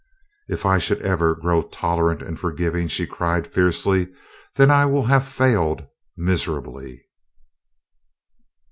"If ever I should grow tolerant and forgiving," she cried fiercely, "then I will have failed miserably."